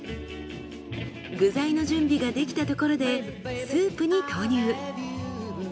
具材の準備ができたところでスープに投入。